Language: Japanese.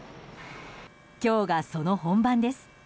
今日が、その本番です。